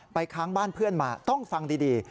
ค้างบ้านเพื่อนมาต้องฟังดี